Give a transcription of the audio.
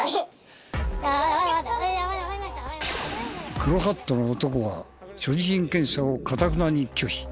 黒ハットの男は所持品検査をかたくなに拒否。